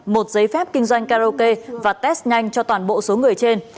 một giấy phép kinh doanh karaoke và test nhanh cho toàn bộ số người trên